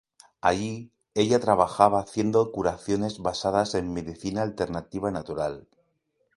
Ahí, ella trabajaba haciendo curaciones basadas en medicina alternativa-natural.